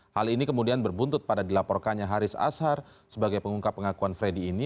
hal ini kemudian berbuntut pada dilaporkannya haris ashar sebagai pengungkap pengakuan freddy ini